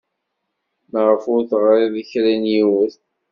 Maɣef ur teɣriḍ i kra n yiwen?